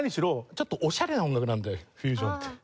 ちょっとおしゃれな音楽なのでフュージョンって。